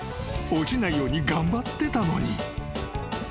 ［落ちないように頑張ってたのに］